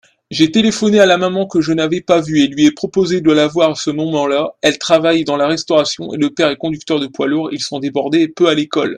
j'ai téléphoné à la maman que je n'avais pas vu, et lui ai proposé de la voir à ce moment-là, elle travaille dans la restauration et le père est conducteur de poids-lourds, ils sont débordés et peu à l'école.